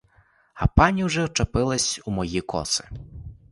А пані вже вчепилась у мої коси.